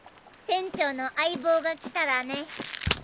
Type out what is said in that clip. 船長の相棒が来たらね。